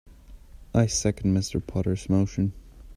I second Mr. Potter's motion.